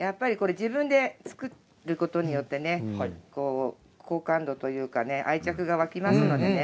自分で作ることによって好感度というか愛着が湧きますのでね